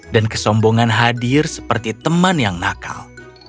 dan kesombongan hadir seperti teman yang nakal